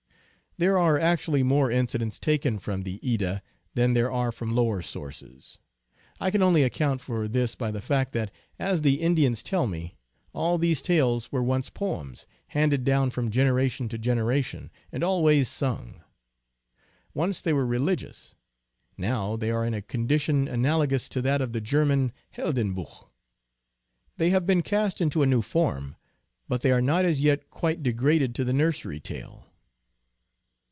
There are ac tually more incidents taken from the Edda than there are from lower sources. I can only account for this by the fact that, as the Indians tell me, all these tales were once poems, handed down from generation to generation, and always sung. Once they were re ligious. Now they are in a condition analogous to that of the German Heldenbuch. They have been cast into a new form, but they are not as yet quite degraded to the nursery tale.